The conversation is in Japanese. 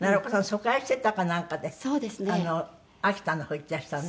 疎開してたかなんかで秋田の方行ってらしたのね。